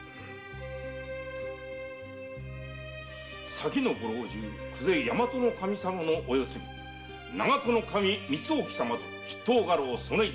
先のご老中・久世大和守様のお世継ぎ長戸守光意様と筆頭家老・曽根重太